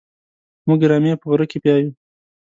موږ رمې په غره کې پيايو.